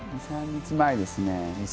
２３日前です。